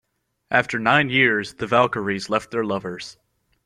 After nine years, the Valkyries left their lovers.